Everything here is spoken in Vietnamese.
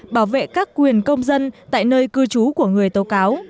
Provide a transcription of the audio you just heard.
bảo vệ các quyền công dân tại nơi cư trú của người tố cáo